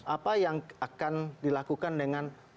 apa yang akan dilakukan dengan